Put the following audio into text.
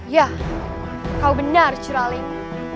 ya kau benar curaling